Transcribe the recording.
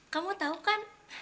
kamu tau kan